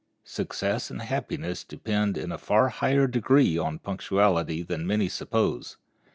Success and happiness depend in a far higher degree on punctuality than many suppose.